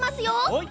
はい。